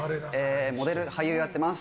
モデル、俳優やってます。